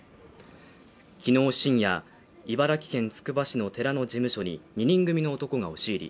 昨日深夜、茨城県つくば市の寺の事務所に２人組の男が押し入り、